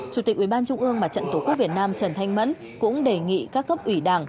chủ tịch ubnd và trận tổ quốc việt nam trần thanh mẫn cũng đề nghị các cấp ủy đảng